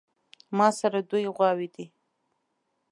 ماسره دوې غواوې دي